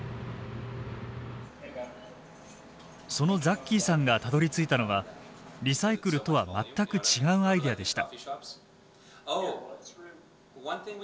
そのザッキーさんがたどりついたのはリサイクルとは全く違うアイデアでした。